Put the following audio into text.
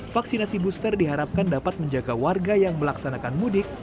vaksinasi booster diharapkan dapat menjaga warga yang melaksanakan mudik